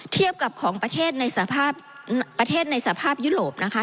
เทียบกับของประเทศในสภาพประเทศในสภาพยุโรปนะคะ